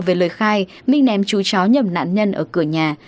về lời khai minh ném chú chó nhầm nạn nhân ở cửa nhà